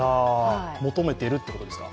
求めているっていうことですか？